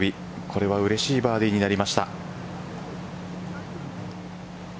これはうれしいバーディーになりました。